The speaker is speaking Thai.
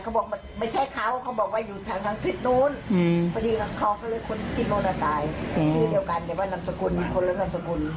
เขาบอกว่าไม่ใช่เขาเขาบอกว่าอยู่ทางข้างซิดนู้นพอดีกว่าเขาก็เลยคนที่โรนตายชื่อเดียวกันแต่ว่านามสกุลคนและนามสกุล